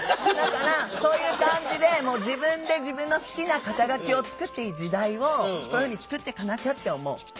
だからそういう感じで自分で自分の好きな肩書きを作っていい時代をこういうふうに作っていかなきゃって思う。